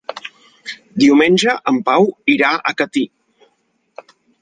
Diumenge en Pau irà a Catí.